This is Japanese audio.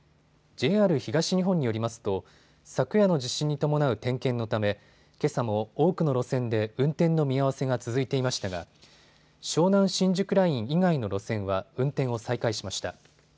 ＪＲ東日本によりますと昨夜の地震に伴う点検のためけさも多くの路線で運転の見合わせが続いていましたが湘南新宿ライン以外の路線は運転を再開しました。